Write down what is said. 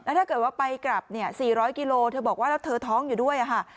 แล้วถ้าเกิดว่าไปกลับเนี่ย๔๐๐กิโลเมตรเธอบอกว่าแล้วเธอท้องอยู่ด้วยอ่ะค่ะ